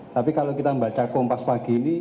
tapi kalau kita membaca kompas pagi ini